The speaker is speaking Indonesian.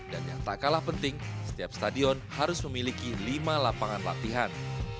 dan yang tak kalah penting setiap stadion harus memiliki lima lapangan latihan